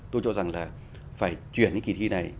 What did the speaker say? tôi cho rằng là phải chuyển những kỳ thi này